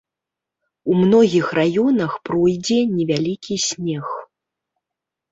У многіх раёнах пройдзе невялікі снег.